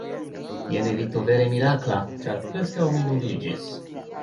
“Jen evito vere mirakla! Ĉar preskaŭ mi nuliĝis!”